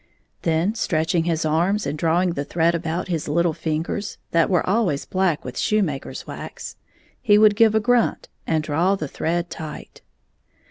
Then stretching his arms and drawing the thread about his little fingers, that were always black with shoemaker's wax, he would give a grunt and draw the thread tight.